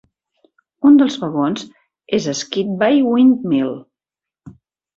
Un dels vagons és a Skidby Windmill.